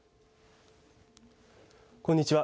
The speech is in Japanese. こんにちは。